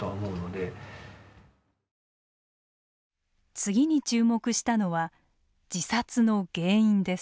次に注目したのは自殺の原因です。